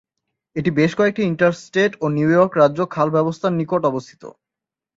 এটি বেশ কয়েকটি ইন্টারস্টেট ও নিউইয়র্ক রাজ্য খাল ব্যবস্থার নিকট অবস্থিত।